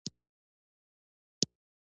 لوگر د افغانانو د ژوند طرز اغېزمنوي.